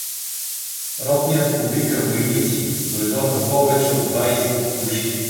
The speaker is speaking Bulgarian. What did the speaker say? Ротният повика войници — дойдоха повече от двайсет души.